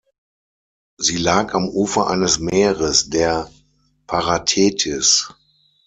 Sie lag am Ufer eines Meeres, der Paratethys.